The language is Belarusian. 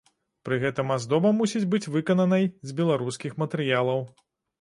Пры гэтым аздоба мусіць быць выкананай з беларускіх матэрыялаў.